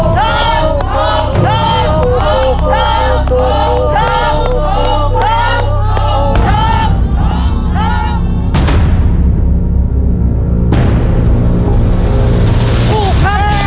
ครบ